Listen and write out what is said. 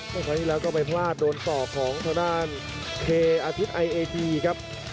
ครั้งที่แล้วก็ไปพลาดโดนต่อของทางด้านเคอาทิตย์ไอเอทีครับ